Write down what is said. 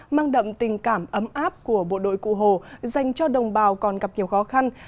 mang đậm tình cảm ấm áp của bộ đội cụ hồ dành cho đồng bào còn gặp nhiều khó khăn